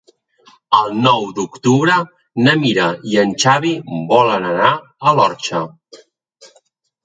El nou d'octubre na Mira i en Xavi volen anar a l'Orxa.